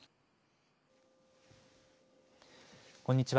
こんにちは。